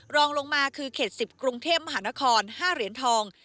รองลงมาคือเขต๑๐กรุงเทพมหานคร๕เหรียญทอง